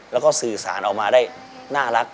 แล้วก็สื่อสารออกมาได้น่ารัก